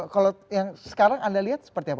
kalau yang sekarang anda lihat seperti apa